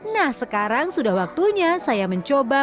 nah sekarang sudah waktunya saya mencoba